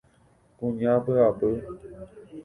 Kuña py'apy.